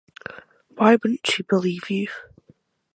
Why wouldn't she believe you?